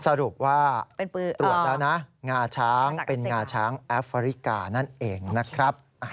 สรุปว่าตรวจแล้วนะงาช้างเป็นงาช้างแอฟริกานั่นเองนะครับ